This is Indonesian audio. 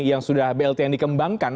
yang sudah blt yang dikembangkan